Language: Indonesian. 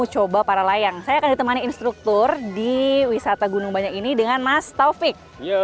saya akan ditemani instruktur di wisata gunung banyak ini dengan mas taufik